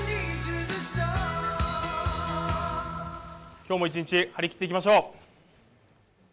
今日も一日、張り切っていきましょう！